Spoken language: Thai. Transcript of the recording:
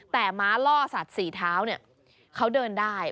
แต่ม้าล่อสัตว์สี่เท้าเนี่ยเขาเดินได้